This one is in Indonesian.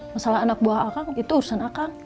masalah anak buah akang itu urusan akang